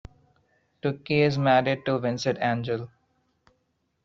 Tucci is married to Vincent Angell.